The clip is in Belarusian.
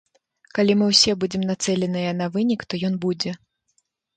Калі мы ўсе будзем нацэленыя на вынік, то ён будзе.